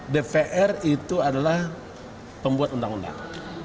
dpr itu adalah pembuat undang undang